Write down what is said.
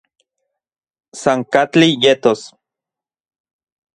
San katli yetos